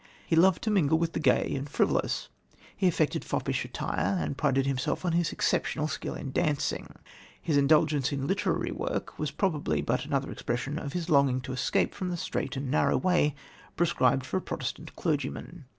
He loved to mingle with the gay and frivolous; he affected foppish attire, and prided himself on his exceptional skill in dancing. His indulgence in literary work was probably but another expression of his longing to escape from the strait and narrow way prescribed for a Protestant clergyman.